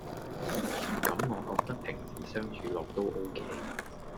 咁我覺得平時相處落都 ok